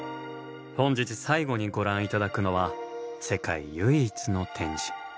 本日最後にご覧頂くのは世界唯一の展示。